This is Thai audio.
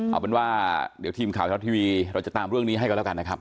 เอาเป็นว่าเดี๋ยวทีมข่าวทรัฐทีวีเราจะตามเรื่องนี้ให้กันแล้วกันนะครับ